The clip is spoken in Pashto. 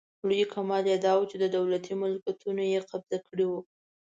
لوی کمال یې داوو چې دولتي ملکیتونه یې قبضه کړي وو.